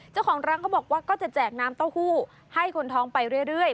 เจ้าของร้านเขาบอกว่าก็จะแจกน้ำเต้าหู้ให้คนท้องไปเรื่อย